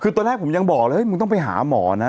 คือตอนแรกผมยังบอกเลยมึงต้องไปหาหมอนะ